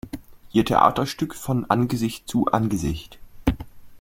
Ihr Theaterstück "Von Angesicht zu Angesicht.